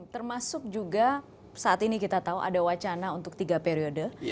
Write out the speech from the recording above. termasuk juga saat ini kita tahu ada wacana untuk tiga periode